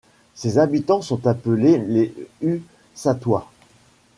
Ses habitants sont appelés les Ussatois.